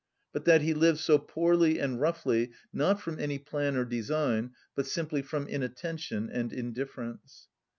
But that he lived so poorly and roughly, not from any plan or design, but simply from inattention and indifference.